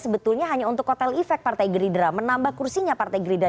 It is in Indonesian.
sebetulnya hanya untuk kotel efek partai gerindra menambah kursinya partai gerindra